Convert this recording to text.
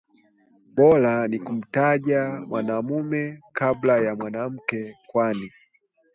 bora ni kumtaja mwanamume kabla ya mwanamke kwani